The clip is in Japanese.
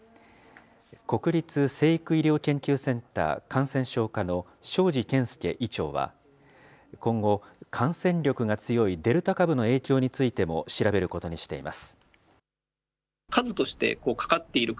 国立成育医療研究センター感染症科の庄司健介医長は、今後、感染力が強いデルタ株の影響についても調べることにしています。